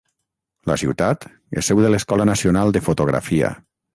La ciutat és seu de l'escola nacional de fotografia.